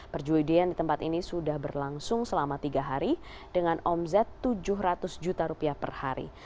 perjudian di tempat ini sudah berlangsung selama tiga hari dengan omzet tujuh ratus juta rupiah per hari